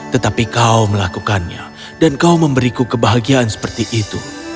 tetapi kau melakukannya dan kau memberiku kebahagiaan seperti itu